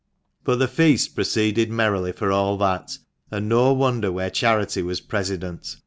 But the feast proceeded merrily for all that, and no wonder where Charity was president.